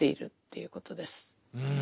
うん。